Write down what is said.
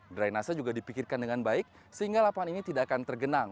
drainase juga dipikirkan dengan baik sehingga lapangan ini tidak akan tergenang